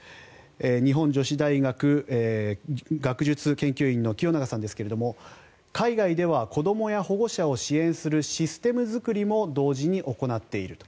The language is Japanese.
日本女子大学学術研究員の清永さんですが海外では子どもや保護者を支援するシステム作りも同時に行っていると。